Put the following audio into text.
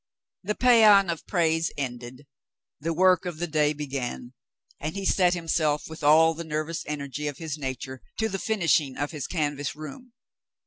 The psean of praise ended, the work of the day began, and he set himself with all the nervous energy of his nature to the finishing of his canvas room.